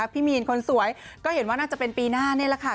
พี่มีนคนสวยก็เห็นว่าน่าจะเป็นปีหน้านี่แหละค่ะ